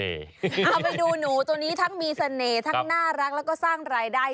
เอาไปดูหนูตัวนี้ทั้งมีเสน่ห์ทั้งน่ารักแล้วก็สร้างรายได้